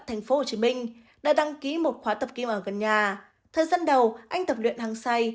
tp hcm đã đăng ký một khóa tập kim ở gần nhà thời gian đầu anh tập luyện hàng say